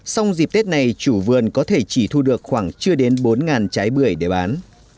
xong dịp tết này chủ vườn có thể chỉ thu được khoảng chưa đến bốn trái bưởi để bán